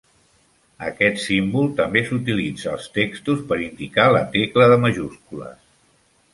Aquest símbol també s'utilitza als textos per indicar la tecla de majúscules.